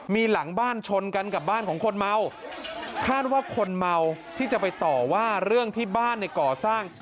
มีหลังบ้านชนกันกับบ้านของคนเมาคาดว่าคนเมาที่จะไปต่อว่าเรื่องที่บ้านในก่อสร้าง